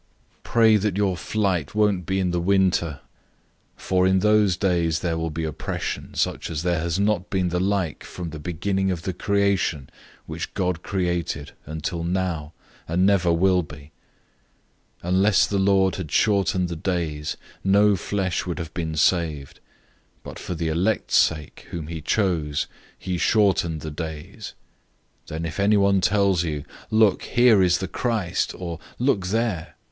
013:018 Pray that your flight won't be in the winter. 013:019 For in those days there will be oppression, such as there has not been the like from the beginning of the creation which God created until now, and never will be. 013:020 Unless the Lord had shortened the days, no flesh would have been saved; but for the sake of the chosen ones, whom he picked out, he shortened the days. 013:021 Then if anyone tells you, 'Look, here is the Christ!' or, 'Look, there!'